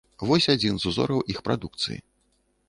Вось адзін з узораў іх прадукцыі.